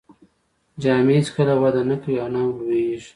جامې هیڅکله وده نه کوي او نه هم لوییږي.